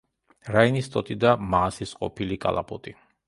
რაინის ტოტი და მაასის ყოფილი კალაპოტი.